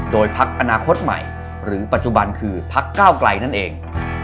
โดยพักอนาคตใหม่หรือปัจจุบันคือพักก้าวไกลนั่นเอง